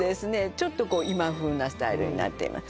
ちょっとこう今風なスタイルになっています